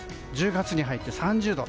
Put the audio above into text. １０月に入って３０度。